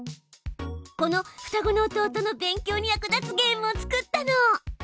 このふたごの弟の勉強に役立つゲームを作ったの。